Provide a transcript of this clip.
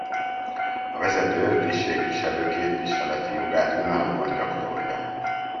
A vezető tisztségviselő képviseleti jogát önállóan gyakorolja.